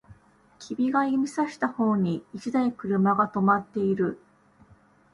君が指差した方に一台車が止まっている